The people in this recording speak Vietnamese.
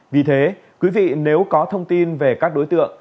vì thế quý vị nếu có thông tin về các đối tượng